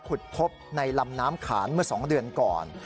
ขุดพบในลำน้ำขานเมื่อ๒เดือนก่อน